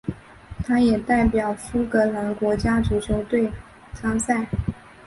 他也代表苏格兰国家足球队参赛。